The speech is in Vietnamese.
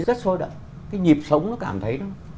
rất sôi động cái nhịp sống nó cảm thấy